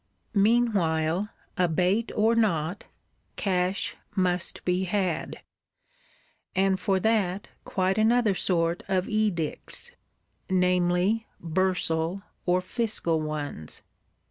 Meanwhile, abate or not, cash must be had; and for that quite another sort of Edicts, namely "bursal" or fiscal ones.